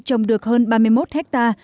trồng được hơn ba mươi một ha